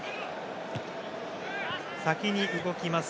先に動きます